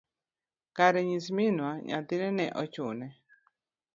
kara nyis Minwa, nyathine ne ochune.